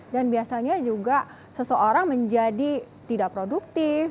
dan biasanya juga seseorang menjadi tidak produktif